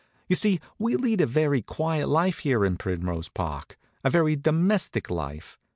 "You see, we lead a very quiet life here in Primrose Park, a very domestic life.